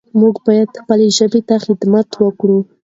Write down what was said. موږ باید د خپلې ژبې خدمت وکړو.